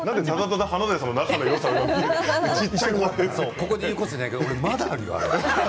ここで言うことじゃないけど俺まだあるよ。